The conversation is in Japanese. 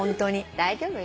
大丈夫よ。